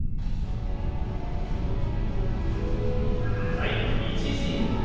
はい１Ｇ。